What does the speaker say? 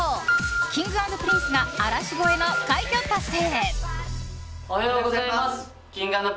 Ｋｉｎｇ＆Ｐｒｉｎｃｅが嵐超えの快挙達成！